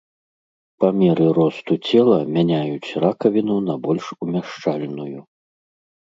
Па меры росту цела мяняюць ракавіну на больш умяшчальную.